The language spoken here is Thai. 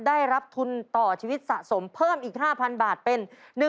ได้รับทุนต่อชีวิตสะสมเพิ่มอีก๕๐๐บาทเป็น